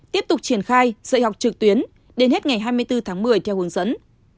tiếp tục triển khai dạy học trực tuyến đến hết ngày hai mươi bốn tháng một mươi theo hướng dẫn